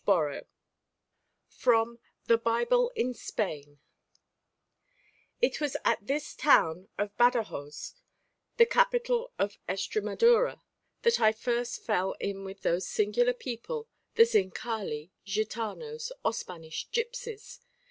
A MEETING From 'The Bible in Spain' It was at this town of Badajoz, the capital of Estremadura, that I first fell in with those singular people, the Zincali, Gitanos, or Spanish gipsies.